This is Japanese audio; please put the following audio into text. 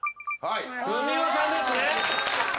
文雄さんですね。